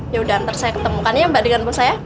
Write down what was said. yaudah nanti saya ketemukannya mbak dengan mbak saya